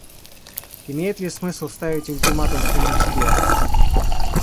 Имеет ли смысл ставить ультиматум самим себе?